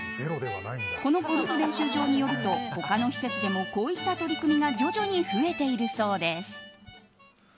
このゴルフ練習場によると他の施設でもこういった取り組みが徐々に増えているそうです。